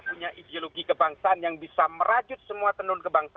kita jangan lupa kita punya ideologi kebangsaan yang bisa merajut semua tenun rakyat kita